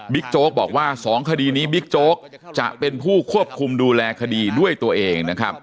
โจ๊กบอกว่า๒คดีนี้บิ๊กโจ๊กจะเป็นผู้ควบคุมดูแลคดีด้วยตัวเองนะครับ